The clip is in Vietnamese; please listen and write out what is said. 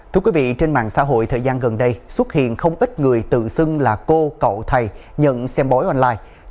thưa quý vị trên mạng xã hội thời gian gần đây xuất hiện không ít người tự xưng là cô cậu thầy nhận xem bói online